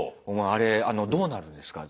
「あれどうなるんですか？」